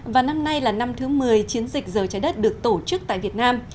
và năm nay là năm thứ một mươi chiến dịch giờ trái đất được tổ chức tại việt nam